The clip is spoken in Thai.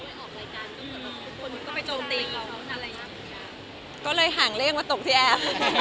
พอไม่ออกรายการทุกคนก็ไปโจมตีเขาอะไรก็เลยห่างเล่นมาตกที่แอป